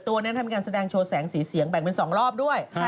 ตัวนั้นทำการแสดงโชว์แสงสีเสียงแบ่งเป็น๒รอบด้วย